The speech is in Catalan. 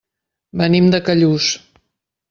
Venim de Callús.